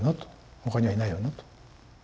他にはいないよなと。